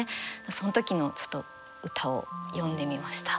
その時の歌を詠んでみました。